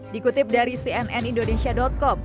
dikutip dari cnn indonesia com